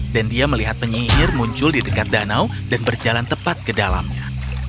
dan dia melihat penyihir muncul di dekat danau dan berjalan tepat ke dalamnya